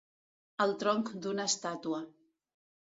El tronc d'una estàtua.